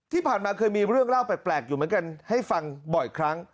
ที่ผ่านมาเคยมีเรื่องเล่าแปลกอยู่เหมือนกันให้ฟังบ่อยครั้ง